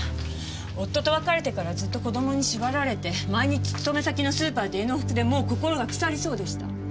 夫と別れてからずっと子供に縛られて毎日勤め先のスーパーと家の往復でもう心は腐りそうでした。